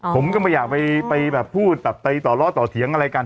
ผมก็ไม่อยากไปพูดไปต่อเล่าต่อเถียงอะไรกัน